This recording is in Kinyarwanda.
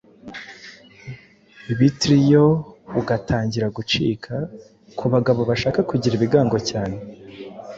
bitryo ugatangira gucika. Ku bagabo bashaka kugira ibigango cyane